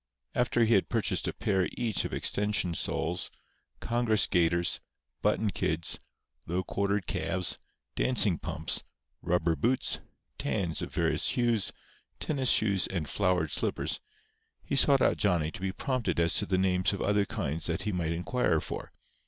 After he had purchased a pair each of extension soles, congress gaiters, button kids, low quartered calfs, dancing pumps, rubber boots, tans of various hues, tennis shoes and flowered slippers, he sought out Johnny to be prompted as to names of other kinds that he might inquire for.